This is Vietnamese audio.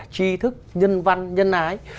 chi thức nhân văn nhân ái